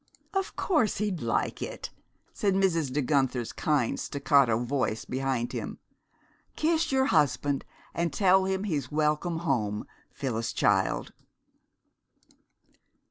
"Of course he'd like it," said Mrs. De Guenther's kind staccato voice behind him. "Kiss your husband, and tell him he's welcome home, Phyllis child!"